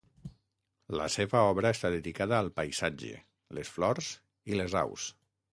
La seva obra està dedicada al paisatge, les flors i les aus.